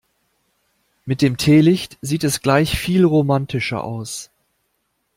Mit dem Teelicht sieht es gleich viel romantischer aus.